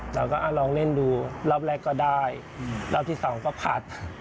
เราก็ลองเล่นดูรอบแรกก็ได้รอบที่สองก็ผัด